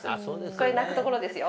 これ泣くところですよ。